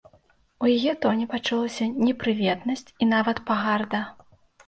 У яе тоне пачулася непрыветнасць і нават пагарда.